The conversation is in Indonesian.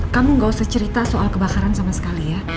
kamu gak usah cerita soal kebakaran sama sekali ya